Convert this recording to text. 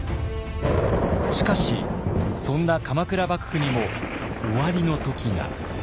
しかしそんな鎌倉幕府にも終わりの時が。